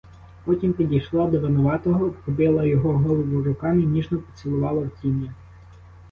Потім підійшла до винуватого, обхопила його голову руками й ніжно поцілувала в тім'я.